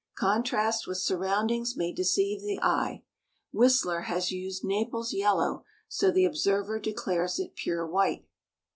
Contrast with surroundings may deceive the eye. Whistler has used Naples yellow so the observer declares it pure white.